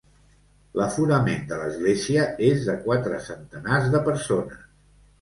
L'aforament de l'església és de quatre centenars de persones.